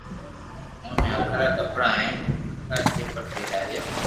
اوني ھکرا ڪپڙا ھين ھکرا چپل پيراويا